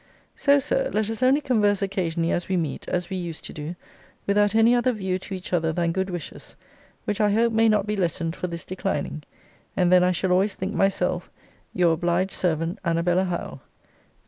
So, Sir, let us only converse occasionally as we meet, as we used to do, without any other view to each other than good wishes: which I hope may not be lessened for this declining. And then I shall always think myself Your obliged servant, ANNABELLA HOWE.